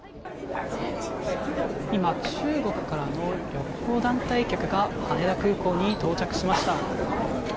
今、中国からの旅行団体客が羽田空港に到着しました。